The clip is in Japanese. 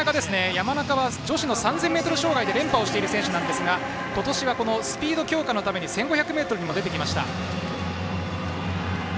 山中は女子の３０００ｍ障害で連覇をしている選手ですが今年はスピード強化のために１５００ｍにも出てきました。